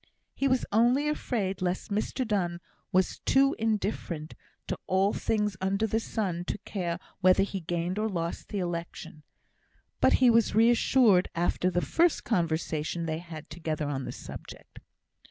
He was only afraid lest Mr Donne was too indifferent to all things under the sun to care whether he gained or lost the election; but he was reassured after the first conversation they had together on the subject.